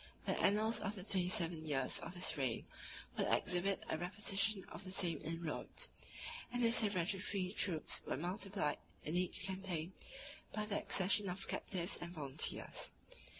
The annals of the twenty seven years of his reign would exhibit a repetition of the same inroads; and his hereditary troops were multiplied in each campaign by the accession of captives and volunteers.